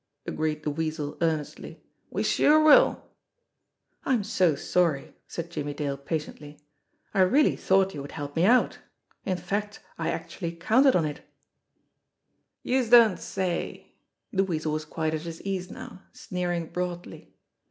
agreed the Weasel earnestly. "We sure will !" "I'm so sorry," said Jimmie Dale patiently. "I really 146 JIMMIE DALE AND THE PHANTOM CLUE thought you would help me out. In fact, I actually counted on it." "Youse don't say!" The Weasel was quite at his ease now, sneering broadly.